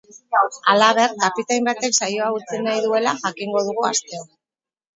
Halaber, kapitain batek saioa utzi nahi duela jakingo dugu asteon.